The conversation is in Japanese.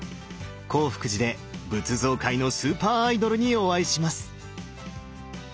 興福寺で仏像界のスーパーアイドルにお会いします！